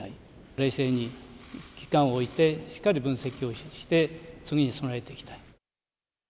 冷静に期間を置いて、しっかり分析をして、次に備えていきたい。